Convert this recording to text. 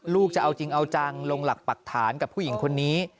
ลูกจะเอาจริงเอาจังลงหลักปรักฐานกับผู้หญิงคนนี้